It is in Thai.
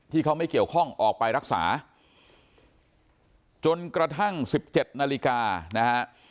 ที่เขาไม่เกี่ยวข้องออกไปรักษาจนกระทั่ง๑๗นาฬิกานะฮะ